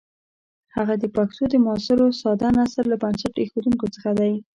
هغه د پښتو د معاصر ساده نثر له بنسټ ایښودونکو څخه دی.